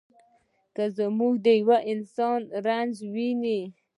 که موږ د یوه انسان رنځ ووینو.